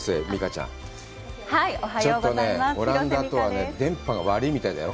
ちょっとね、オランダとは電波が悪いみたいだよ。